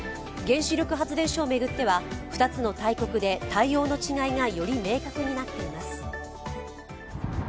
原子力発電所を巡っては２つの大国で対応の違いがより明確になっています。